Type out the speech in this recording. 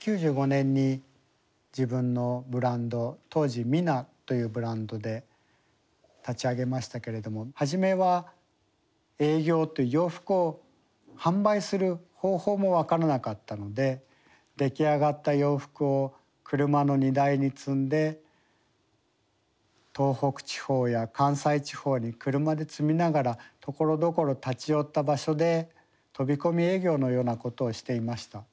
９５年に自分のブランド当時「ミナ」というブランドで立ち上げましたけれども初めは営業という洋服を販売する方法も分からなかったので出来上がった洋服を車の荷台に積んで東北地方や関西地方に車で積みながらところどころ立ち寄った場所で飛び込み営業のようなことをしていました。